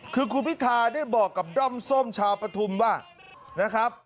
คือครูภิษภาได้บอกกับด้อมส้มชาวประธุมธานีย์ว่า